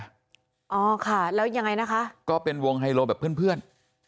อ๋อค่ะแล้วยังไงนะคะก็เป็นวงไฮโลแบบเพื่อน